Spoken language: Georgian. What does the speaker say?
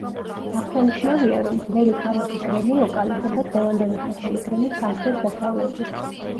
აღსანიშნავია, რომ ძველი ქალაქი გრემი ლოკალიზდება დღევანდელი სოფელი გრემის სამხრეთ-დასავლეთით.